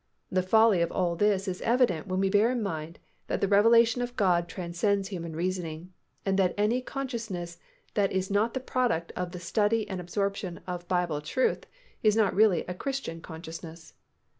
The folly of all this is evident when we bear in mind that the revelation of God transcends human reasoning, and that any consciousness that is not the product of the study and absorption of Bible truth is not really a Christian consciousness.